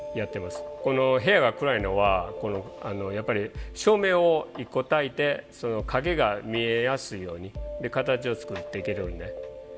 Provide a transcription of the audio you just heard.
この部屋が暗いのはやっぱり照明を１個たいてその影が見えやすいように形を作っていけるんで。